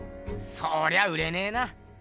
そりゃ売れねえな。